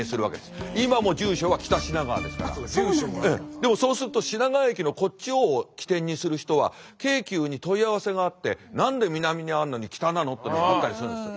でもそうすると品川駅のこっちを起点にする人は京急に問い合わせがあって何で南にあるのに北なの？っていうのがあったりするんですよ。